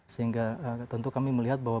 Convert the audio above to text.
sehingga tentu kami melihat bahwa